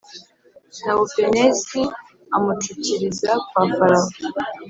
Tahupenesi amucukiriza kwa Farawo